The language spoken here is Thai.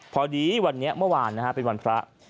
พอดีวันนี้เมื่อวานนะฮะเป็นวันพระ